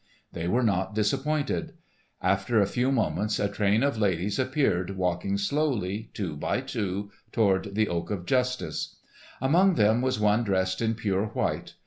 They were not disappointed. After a few moments a train of ladies appeared walking slowly, two by two, toward the Oak of Justice. Among them was one dressed in pure white.